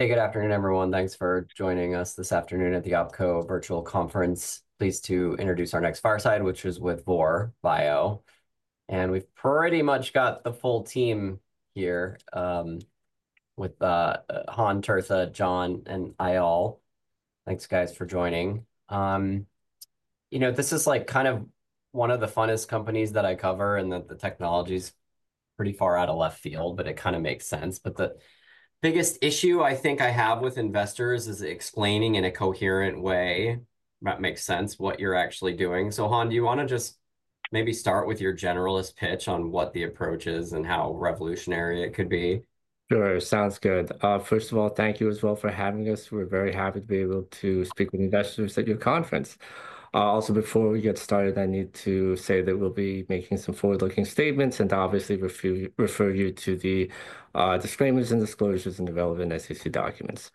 Hey, good afternoon, everyone. Thanks for joining us this afternoon at the Oppenheimer Virtual Conference. Pleased to introduce our next fireside, which is with Vor Bio. And we've pretty much got the full team here, with Han, Tirtha, John, and Eyal. Thanks, guys, for joining. You know, this is like kind of one of the funnest companies that I cover, and the technology's pretty far out of left field, but it kind of makes sense. The biggest issue I think I have with investors is explaining in a coherent way that makes sense what you're actually doing. Han, do you want to just maybe start with your generalist pitch on what the approach is and how revolutionary it could be? Sure. Sounds good. First of all, thank you as well for having us. We're very happy to be able to speak with investors at your conference. Also, before we get started, I need to say that we'll be making some forward-looking statements and obviously refer you to the disclaimers and disclosures and the relevant SEC documents.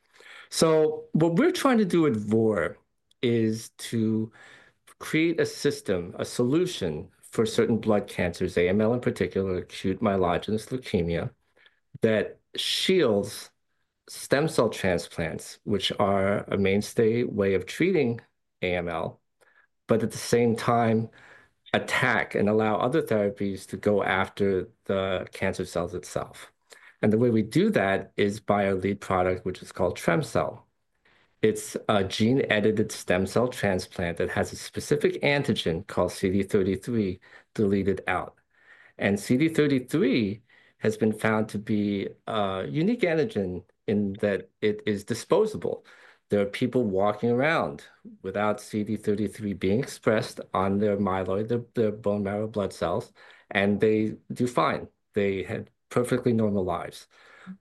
What we're trying to do with Vor is to create a system, a solution for certain blood cancers, AML in particular, acute myelogenous leukemia, that shields stem cell transplants, which are a mainstay way of treating AML, but at the same time attack and allow other therapies to go after the cancer cells itself. The way we do that is by our lead product, which is called trem-cel. It's a gene-edited stem cell transplant that has a specific antigen called CD33 deleted out. CD33 has been found to be a unique antigen in that it is disposable. There are people walking around without CD33 being expressed on their myeloid, their bone marrow blood cells, and they do fine. They had perfectly normal lives.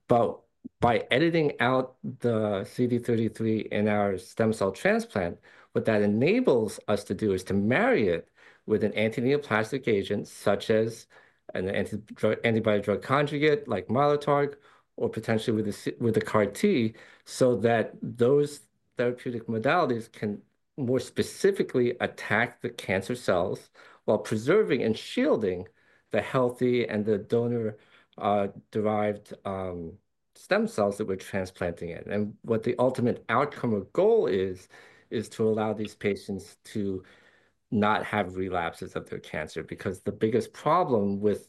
By editing out the CD33 in our stem cell transplant, what that enables us to do is to marry it with an antineoplastic agent such as an antibody-drug conjugate like Mylotarg or potentially with a CAR-T so that those therapeutic modalities can more specifically attack the cancer cells while preserving and shielding the healthy and the donor-derived stem cells that we are transplanting in. What the ultimate outcome or goal is, is to allow these patients to not have relapses of their cancer because the biggest problem with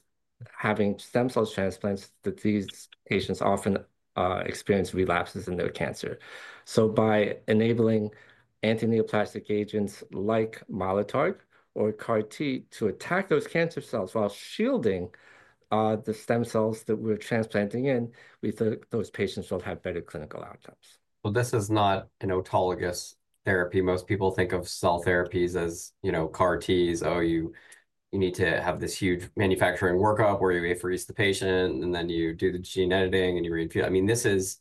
having stem cell transplants is that these patients often experience relapses in their cancer. By enabling antineoplastic agents like Mylotarg or CAR-T to attack those cancer cells while shielding the stem cells that we're transplanting in, we think those patients will have better clinical outcomes. This is not an autologous therapy. Most people think of cell therapies as, you know, CAR-Ts, oh, you need to have this huge manufacturing workup where you apherese the patient and then you do the gene editing and you re-infuse. I mean, this is,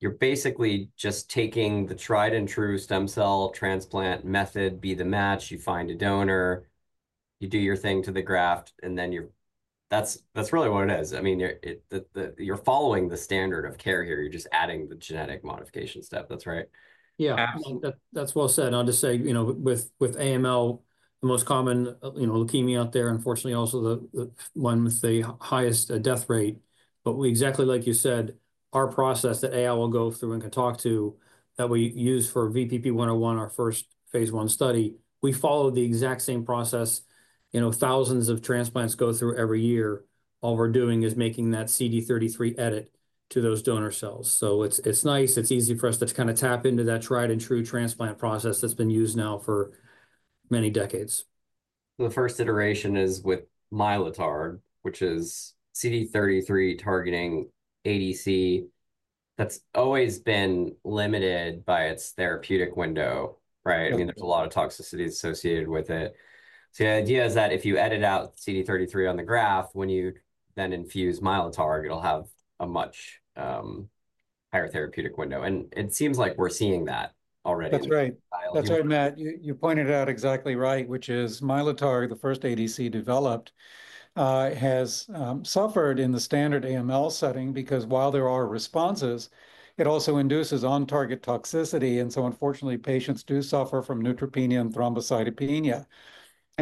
you're basically just taking the tried and true stem cell transplant method, Be The Match, you find a donor, you do your thing to the graft, and then you're, that's really what it is. I mean, you're following the standard of care here. You're just adding the genetic modification step. That's right? Yeah. That's well said. I'll just say, you know, with AML, the most common leukemia out there, unfortunately, also the one with the highest death rate. We exactly like you said, our process that Eyal will go through and can talk to that we use for VBP101, our first Phase 1 study, we follow the exact same process. You know, thousands of transplants go through every year. All we're doing is making that CD33 edit to those donor cells. It's nice. It's easy for us to kind of tap into that tried and true transplant process that's been used now for many decades. The first iteration is with Mylotarg, which is CD33-targeting ADC. That's always been limited by its therapeutic window, right? I mean, there's a lot of toxicity associated with it. The idea is that if you edit out CD33 on the graft, when you then infuse Mylotarg, it'll have a much higher therapeutic window. It seems like we're seeing that already. That's right. That's right, Matt. You pointed out exactly right, which is Mylotarg, the first ADC developed, has suffered in the standard AML setting because while there are responses, it also induces on-target toxicity. Unfortunately, patients do suffer from neutropenia and thrombocytopenia.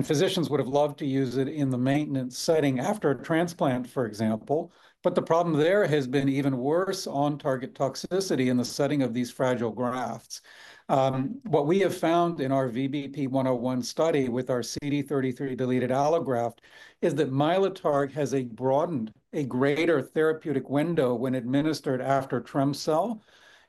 Physicians would have loved to use it in the maintenance setting after a transplant, for example. The problem there has been even worse on-target toxicity in the setting of these fragile grafts. What we have found in our VBP101 study with our CD33-deleted allograft is that Mylotarg has a broadened, a greater therapeutic window when administered after trem-cel.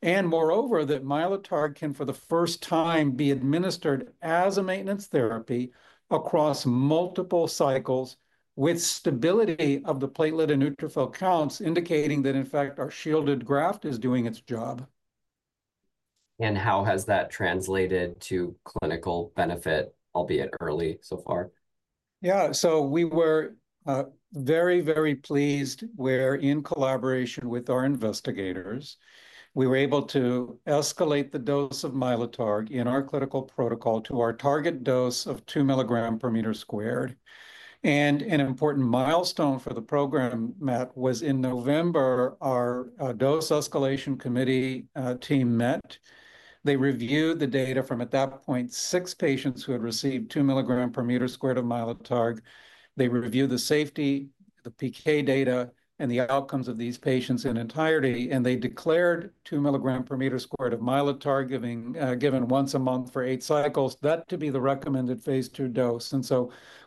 Moreover, Mylotarg can for the first time be administered as a maintenance therapy across multiple cycles with stability of the platelet and neutrophil counts, indicating that in fact, our shielded graft is doing its job. How has that translated to clinical benefit, albeit early so far? Yeah. We were very, very pleased where in collaboration with our investigators, we were able to escalate the dose of Mylotarg in our clinical protocol to our target dose of 2 mg per meter squared. An important milestone for the program, Matt, was in November, our dose escalation committee team met. They reviewed the data from at that point, six patients who had received 2 mg per meter squared of Mylotarg. They reviewed the safety, the PK data, and the outcomes of these patients in entirety. They declared 2 mg per meter squared of Mylotarg given once a month for eight cycles to be the recommended Phase 2 dose.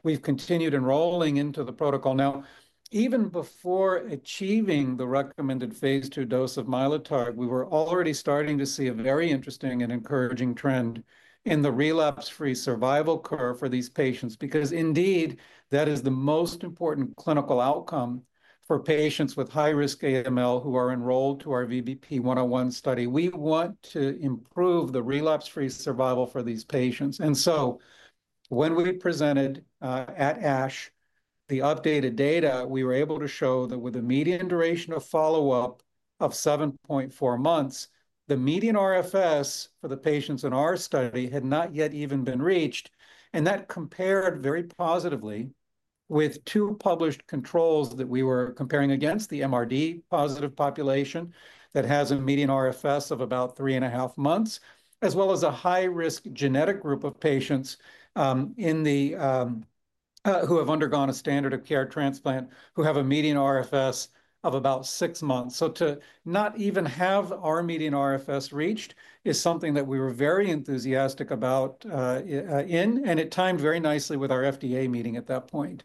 We have continued enrolling into the protocol. Now, even before achieving the recommended Phase 2 dose of Mylotarg, we were already starting to see a very interesting and encouraging trend in the relapse-free survival curve for these patients because indeed, that is the most important clinical outcome for patients with high-risk AML who are enrolled to our VBP101 study. We want to improve the relapse-free survival for these patients. When we presented at ASH the updated data, we were able to show that with a median duration of follow-up of 7.4 months, the median RFS for the patients in our study had not yet even been reached. That compared very positively with two published controls that we were comparing against, the MRD positive population that has a median RFS of about three and a half months, as well as a high-risk genetic group of patients who have undergone a standard of care transplant who have a median RFS of about six months. To not even have our median RFS reached is something that we were very enthusiastic about, and it timed very nicely with our FDA meeting at that point.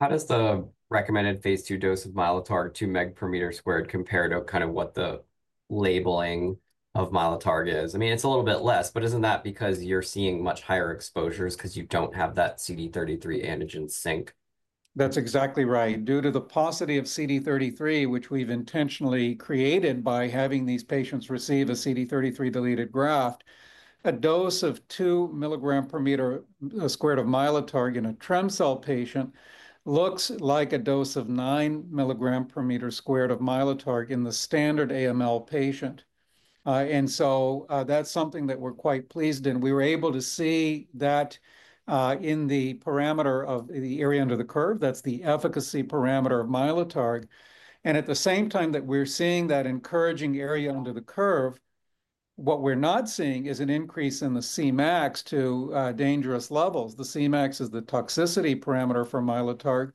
How does the recommended Phase 2 dose of Mylotarg, 2 mg per meter squared, compare to kind of what the labeling of Mylotarg is? I mean, it's a little bit less, but isn't that because you're seeing much higher exposures because you don't have that CD33 antigen sink? That's exactly right. Due to the paucity of CD33, which we've intentionally created by having these patients receive a CD33-deleted graft, a dose of 2 mg per meter squared of Mylotarg in a trem-cel patient looks like a dose of 9 milligrams per meter squared of Mylotarg in the standard AML patient. That's something that we're quite pleased in. We were able to see that in the parameter of the area under the curve. That's the efficacy parameter of Mylotarg. At the same time that we're seeing that encouraging area under the curve, what we're not seeing is an increase in the Cmax to dangerous levels. The Cmax is the toxicity parameter for Mylotarg.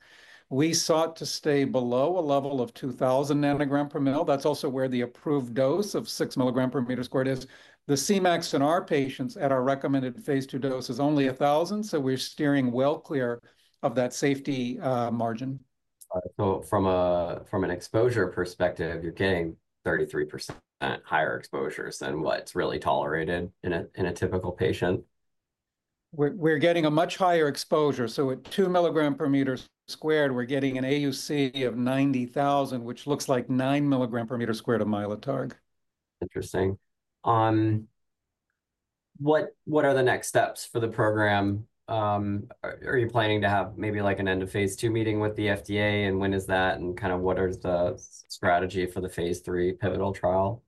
We sought to stay below a level of 2,000 nanograms per mL. That's also where the approved dose of 6 mg per meter squared is. The Cmax in our patients at our recommended Phase 2 dose is only 1,000. So we're steering well clear of that safety margin. From an exposure perspective, you're getting 33% higher exposures than what's really tolerated in a typical patient? We're getting a much higher exposure. At 2 mg per meter squared, we're getting an AUC of 90,000, which looks like 9 mg per meter squared of Mylotarg. Interesting. What are the next steps for the program? Are you planning to have maybe like an end of Phase 2 meeting with the FDA? When is that? What is the strategy for the Phase 3 pivotal trial?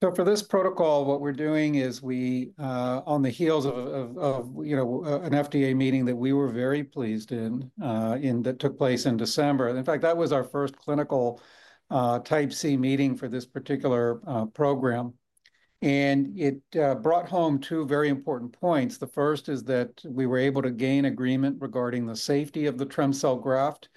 For this protocol, what we're doing is we, on the heels of an FDA meeting that we were very pleased in, that took place in December, in fact, that was our first clinical Type C meeting for this particular program. It brought home two very important points. The first is that we were able to gain agreement regarding the safety of the trem-cel graft,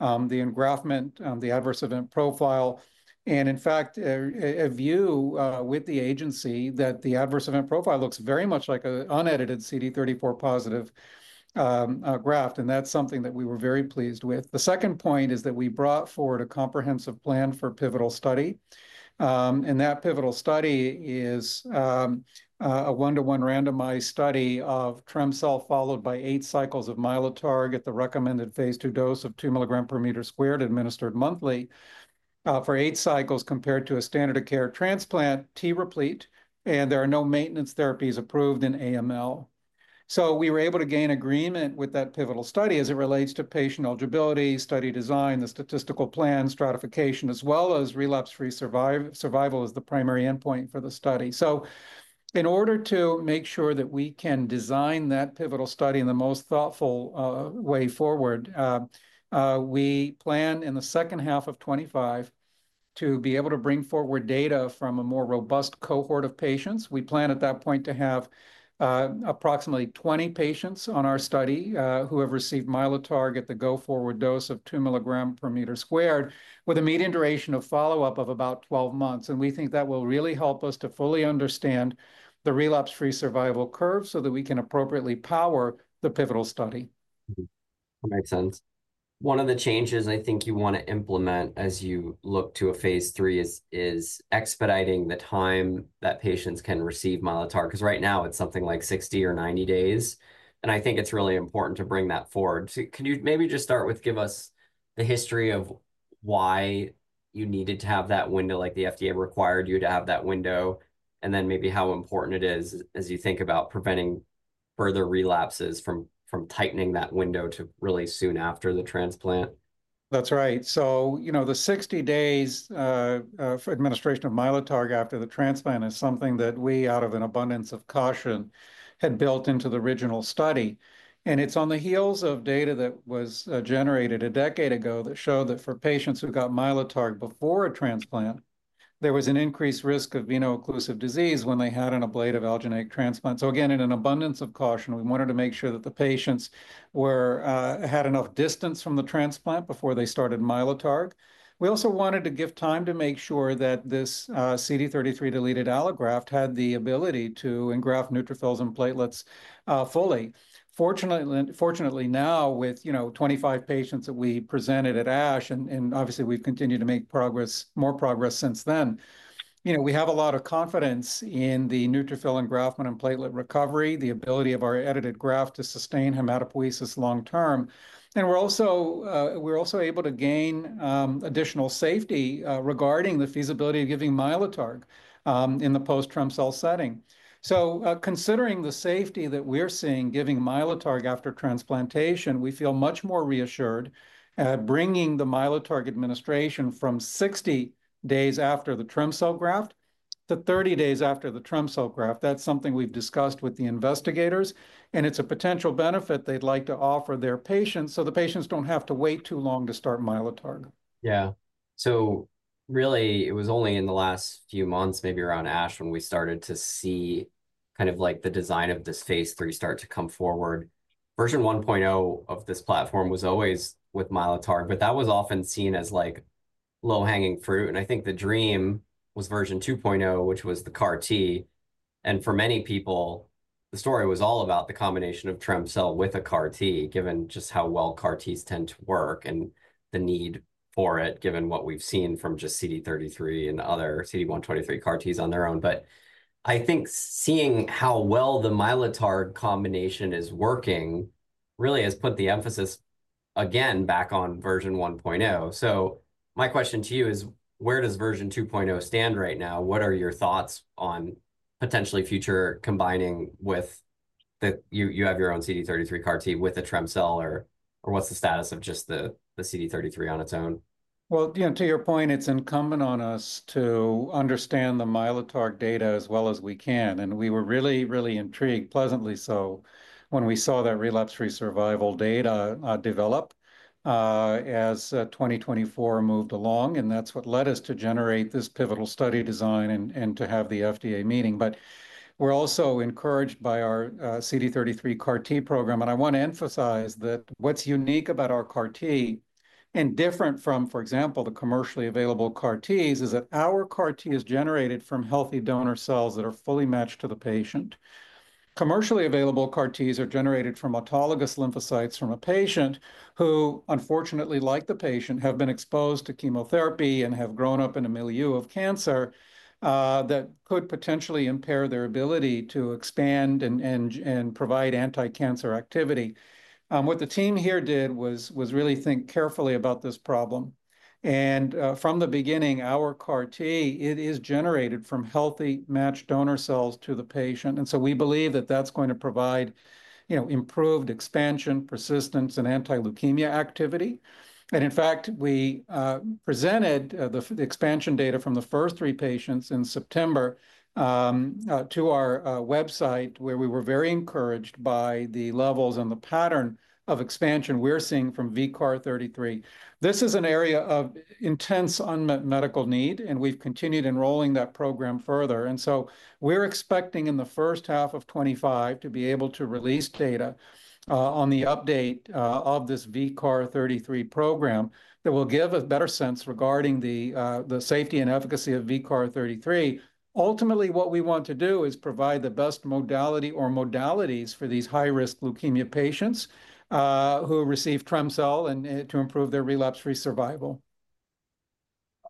the engraftment, the adverse event profile. In fact, a view with the agency that the adverse event profile looks very much like an unedited CD34-positive graft. That's something that we were very pleased with. The second point is that we brought forward a comprehensive plan for pivotal study. That pivotal study is a one-to-one randomized study of trem-cel followed by eight cycles of Mylotarg at the recommended Phase 2 dose of 2 mg per meter squared administered monthly for eight cycles compared to a standard of care transplant T-replete. There are no maintenance therapies approved in AML. We were able to gain agreement with that pivotal study as it relates to patient eligibility, study design, the statistical plan, stratification, as well as relapse-free survival as the primary endpoint for the study. In order to make sure that we can design that pivotal study in the most thoughtful way forward, we plan in the second half of 2025 to be able to bring forward data from a more robust cohort of patients. We plan at that point to have approximately 20 patients on our study who have received Mylotarg at the go forward dose of 2 mg per meter squared with a median duration of follow-up of about 12 months. We think that will really help us to fully understand the relapse-free survival curve so that we can appropriately power the pivotal study. Makes sense. One of the changes I think you want to implement as you look to a Phase 3 is expediting the time that patients can receive Mylotarg because right now it's something like 60 or 90 days. I think it's really important to bring that forward. Can you maybe just start with give us the history of why you needed to have that window like the FDA required you to have that window and then maybe how important it is as you think about preventing further relapses from tightening that window to really soon after the transplant? That's right. You know the 60 days for administration of Mylotarg after the transplant is something that we, out of an abundance of caution, had built into the original study. It is on the heels of data that was generated a decade ago that showed that for patients who got Mylotarg before a transplant, there was an increased risk of veno-occlusive disease when they had an ablative allogeneic transplant. Again, in an abundance of caution, we wanted to make sure that the patients had enough distance from the transplant before they started Mylotarg. We also wanted to give time to make sure that this CD33-deleted allograft had the ability to engraft neutrophils and platelets fully. Fortunately now with 25 patients that we presented at ASH and obviously we've continued to make progress, more progress since then, you know we have a lot of confidence in the neutrophil engraftment and platelet recovery, the ability of our edited graft to sustain hematopoiesis long term. We are also able to gain additional safety regarding the feasibility of giving Mylotarg in the post-trem-cel setting. Considering the safety that we're seeing giving Mylotarg after transplantation, we feel much more reassured bringing the Mylotarg administration from 60 days after the trem-cel graft to 30 days after the trem-cel graft. That's something we've discussed with the investigators. It's a potential benefit they'd like to offer their patients so the patients don't have to wait too long to start Mylotarg. Yeah. Really, it was only in the last few months, maybe around ASH when we started to see kind of like the design of this Phase 3 start to come forward. Version 1.0 of this platform was always with Mylotarg, but that was often seen as like low hanging fruit. I think the dream was version 2.0, which was the CAR-T. For many people, the story was all about the combination of trem-cel with a CAR-T given just how well CAR-Ts tend to work and the need for it given what we've seen from just CD33 and other CD123 CAR-Ts on their own. I think seeing how well the Mylotarg combination is working really has put the emphasis again back on version 1.0. My question to you is, where does version 2.0 stand right now? What are your thoughts on potentially future combining with that you have your own CD33 CAR-T with a trem-cel or what's the status of just the CD33 on its own? You know, to your point, it's incumbent on us to understand the Mylotarg data as well as we can. We were really, really intrigued, pleasantly so, when we saw that relapse-free survival data develop as 2024 moved along. That is what led us to generate this pivotal study design and to have the FDA meeting. We are also encouraged by our CD33 CAR-T program. I want to emphasize that what's unique about our CAR-T and different from, for example, the commercially available CAR-Ts is that our CAR-T is generated from healthy donor cells that are fully matched to the patient. Commercially available CAR-Ts are generated from autologous lymphocytes from a patient who unfortunately, like the patient, have been exposed to chemotherapy and have grown up in a milieu of cancer that could potentially impair their ability to expand and provide anti-cancer activity. What the team here did was really think carefully about this problem. From the beginning, our CAR-T, it is generated from healthy matched donor cells to the patient. We believe that that's going to provide improved expansion, persistence, and anti-leukemia activity. In fact, we presented the expansion data from the first three patients in September to our website where we were very encouraged by the levels and the pattern of expansion we're seeing from VCAR33. This is an area of intense unmet medical need, and we've continued enrolling that program further. We are expecting in the first half of 2025 to be able to release data on the update of this VCAR33 program that will give a better sense regarding the safety and efficacy of VCAR33. Ultimately, what we want to do is provide the best modality or modalities for these high-risk leukemia patients who receive trem-cel and to improve their relapse-free survival.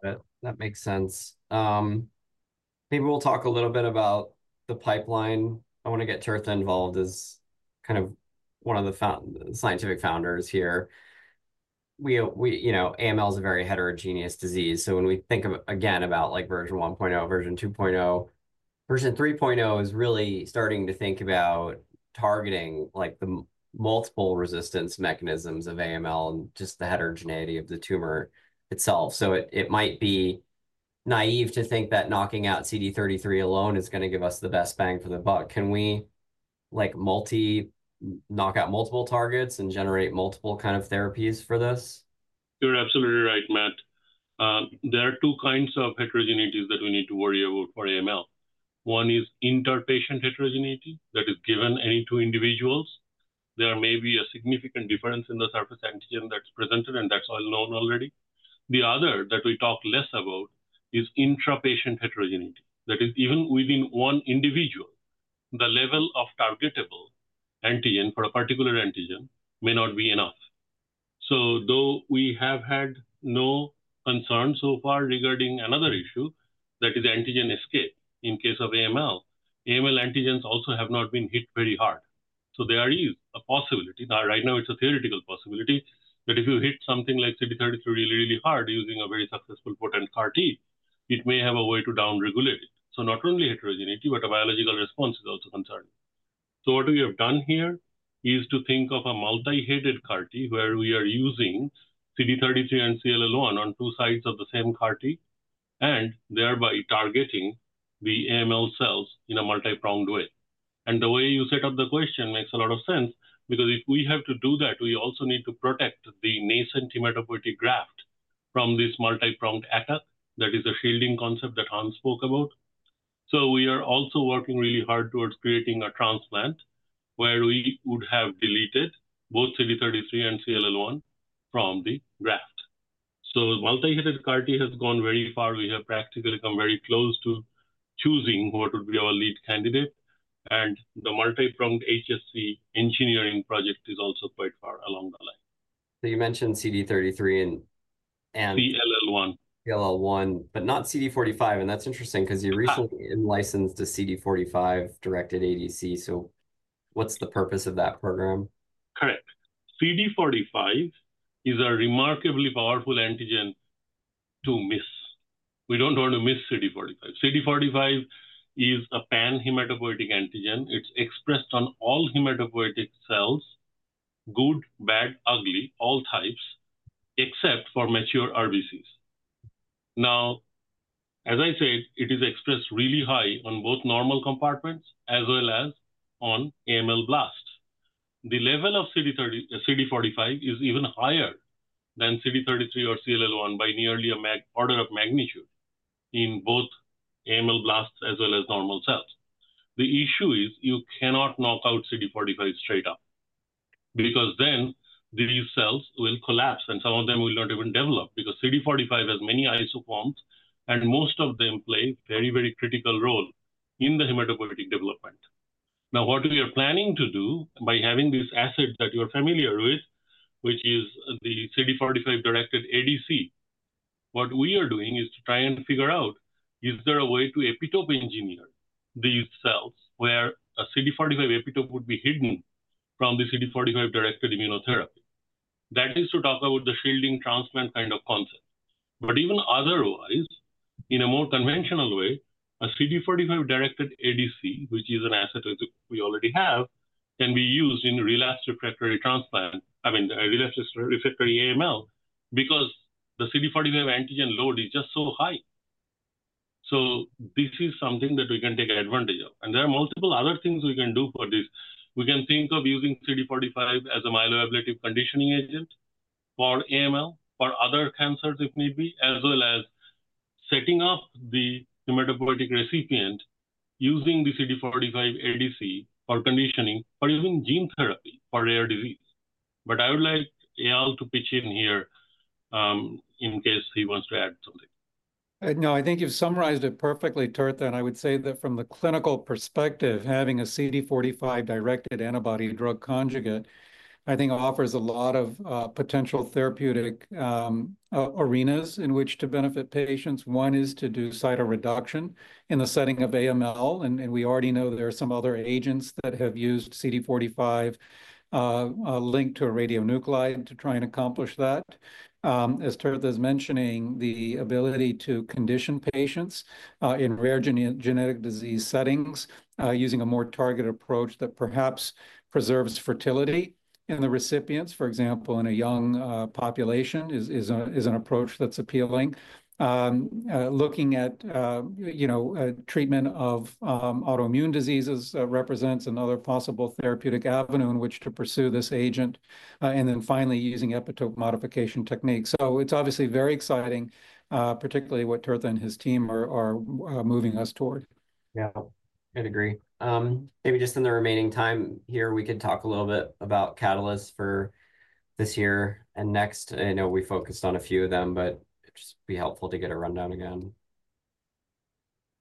That makes sense. Maybe we'll talk a little bit about the pipeline. I want to get Tirtha involved as kind of one of the scientific founders here. AML is a very heterogeneous disease. When we think again about version 1.0, version 2.0, version 3.0 is really starting to think about targeting the multiple resistance mechanisms of AML and just the heterogeneity of the tumor itself. It might be naive to think that knocking out CD33 alone is going to give us the best bang for the buck. Can we knock out multiple targets and generate multiple kind of therapies for this? You're absolutely right, Matt. There are two kinds of heterogeneities that we need to worry about for AML. One is interpatient heterogeneity that is, given any two individuals, there may be a significant difference in the surface antigen that's presented, and that's well known already. The other that we talk less about is intrapatient heterogeneity. That is, even within one individual, the level of targetable antigen for a particular antigen may not be enough. Though we have had no concern so far regarding another issue, that is antigen escape in case of AML, AML antigens also have not been hit very hard. There is a possibility. Right now, it's a theoretical possibility that if you hit something like CD33 really, really hard using a very successful potent CAR-T, it may have a way to downregulate it. Not only heterogeneity, but a biological response is also concerned. What we have done here is to think of a multi-headed CAR-T where we are using CD33 and CLL-1 on two sides of the same CAR-T and thereby targeting the AML cells in a multi-pronged way. The way you set up the question makes a lot of sense because if we have to do that, we also need to protect the nascent hematopoietic graft from this multi-pronged attack. That is a shielding concept that Han spoke about. We are also working really hard towards creating a transplant where we would have deleted both CD33 and CLL-1 from the graft. Multi-headed CAR-T has gone very far. We have practically come very close to choosing what would be our lead candidate. The multi-pronged HSC engineering project is also quite far along the line. You mentioned CD33 and. CLL-1. CLL-1, but not CD45. That's interesting because you recently licensed a CD45-directed ADC. What's the purpose of that program? Correct. CD45 is a remarkably powerful antigen to miss. We don't want to miss CD45. CD45 is a pan-hematopoietic antigen. It's expressed on all hematopoietic cells, good, bad, ugly, all types, except for mature RBCs. Now, as I said, it is expressed really high on both normal compartments as well as on AML blasts. The level of CD45 is even higher than CD33 or CLL-1 alone by nearly an order of magnitude in both AML blasts as well as normal cells. The issue is you cannot knock out CD45 straight up because then these cells will collapse and some of them will not even develop because CD45 has many isoforms and most of them play a very, very critical role in the hematopoietic development. Now, what we are planning to do by having this asset that you are familiar with, which is the CD45-directed ADC, what we are doing is to try and figure out is there a way to epitope engineer these cells where a CD45 epitope would be hidden from the CD45-directed immunotherapy. That is to talk about the shielding transplant kind of concept. Even otherwise, in a more conventional way, a CD45-directed ADC, which is an asset we already have, can be used in relapse refractory transplant, I mean, relapse refractory AML because the CD45 antigen load is just so high. This is something that we can take advantage of. There are multiple other things we can do for this. We can think of using CD45 as a myeloablative conditioning agent for AML, for other cancers if need be, as well as setting up the hematopoietic recipient using the CD45 ADC for conditioning or even gene therapy for rare disease. I would like Eyal to pitch in here in case he wants to add something. No, I think you've summarized it perfectly, Tirtha. I would say that from the clinical perspective, having a CD45-directed antibody-drug conjugate, I think offers a lot of potential therapeutic arenas in which to benefit patients. One is to do cytoreduction in the setting of AML. We already know there are some other agents that have used CD45 linked to a radionuclide to try and accomplish that. As Tirtha is mentioning, the ability to condition patients in rare genetic disease settings using a more targeted approach that perhaps preserves fertility in the recipients, for example, in a young population is an approach that's appealing. Looking at treatment of autoimmune diseases represents another possible therapeutic avenue in which to pursue this agent. Finally, using epitope modification techniques. It is obviously very exciting, particularly what Tirtha and his team are moving us toward. Yeah, I agree. Maybe just in the remaining time here, we could talk a little bit about catalysts for this year and next. I know we focused on a few of them, but it'd just be helpful to get a rundown again.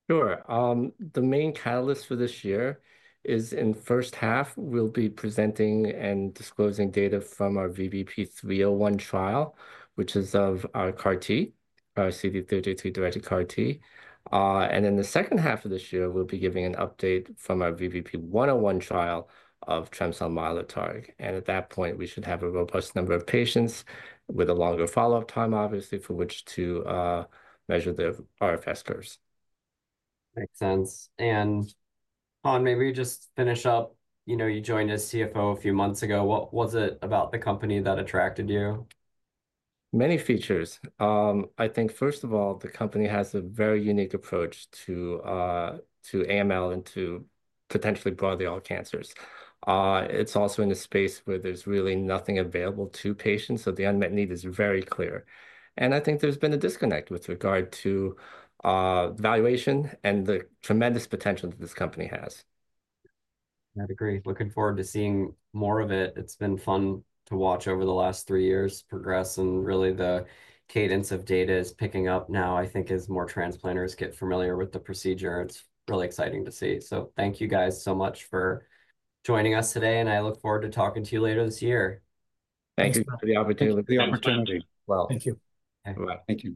Sure. The main catalyst for this year is in first half, we'll be presenting and disclosing data from our VBP301 trial, which is of our CAR-T, our CD33 directed CAR-T. In the second half of this year, we'll be giving an update from our VBP101 trial of trem-cel Mylotarg. At that point, we should have a robust number of patients with a longer follow-up time, obviously, for which to measure the RFS curves. Makes sense. Han, maybe just finish up. You joined as CFO a few months ago. What was it about the company that attracted you? Many features. I think, first of all, the company has a very unique approach to AML and to potentially broadly all cancers. It's also in a space where there's really nothing available to patients. The unmet need is very clear. I think there's been a disconnect with regard to valuation and the tremendous potential that this company has. I agree. Looking forward to seeing more of it. It's been fun to watch over the last three years progress. Really, the cadence of data is picking up now, I think, as more transplanters get familiar with the procedure. It's really exciting to see. Thank you guys so much for joining us today. I look forward to talking to you later this year. Thanks for the opportunity. Thank you. Thank you.